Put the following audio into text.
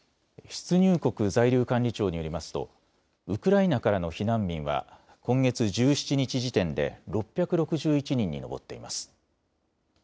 出入国在留管理庁によりますとウクライナからの避難民は今月１７日時点で６６１人に上っています。